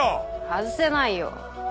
外せない？